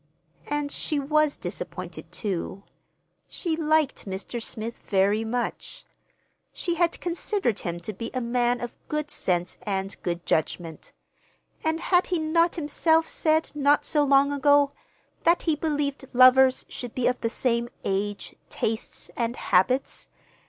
And she was disappointed, too. She liked Mr. Smith very much. She had considered him to be a man of good sense and good judgment. And had he not himself said, not so long ago, that he believed lovers should be of the same age, tastes, and habits?